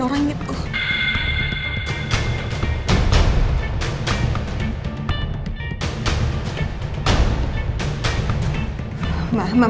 terus pitches farman isu sang